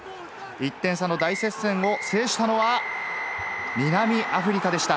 １点差の大接戦を制したのは南アフリカでした。